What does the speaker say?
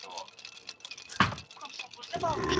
هغه ټولنه چې ښځې پکې خوندي وي، پرمختګ نه ټکنۍ کېږي.